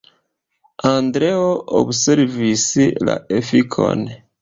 Andreo observis la efikon.